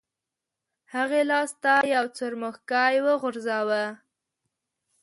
هغې لاس ته یو څرمښکۍ وغورځاوه.